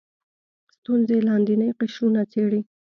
ستونزې لاندیني قشرونه څېړي